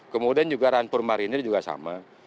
kemudian juga rampur marinir juga sama